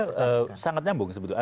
sebetulnya sangat nyambung sebetulnya